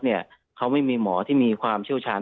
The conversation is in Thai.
เนี่ยเขาไม่มีหมอที่มีความชิ้วชาญ